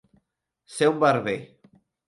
Ser un barber.